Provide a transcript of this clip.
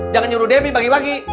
jangan nyuruh debbie bagi bagi